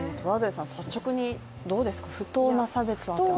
率直にどうですか、不当な差別というのは。